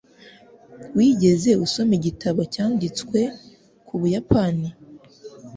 Wigeze usoma igitabo cyanditswe ku Buyapani?